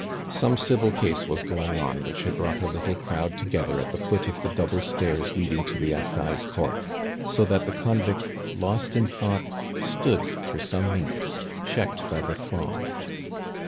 Some civil case was going on which had brought a little crowd together at the foot of the double stairs leading to the Assize Court, so that the convict, lost in thought, stood for some minutes, checked by the throng.